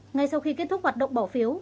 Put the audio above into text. ngay sau khi kết thúc hoạt động bỏ phiếu